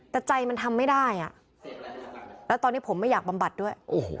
แต่ใจมันทำไม่ได้อ่ะแล้วตอนนี้ผมไม่อยากบำบัดด้วย